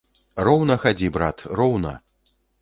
Роўна хадзі, брат, роўна!